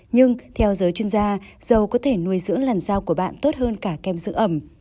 nhưng theo giới chuyên gia dầu có thể nuôi dưỡng làn rau của bạn tốt hơn cả kem giữ ẩm